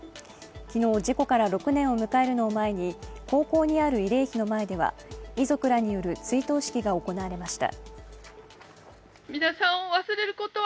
昨日、事故から６年を迎えるのを前に高校にある慰霊碑の前では遺族らによる追悼式が行われました。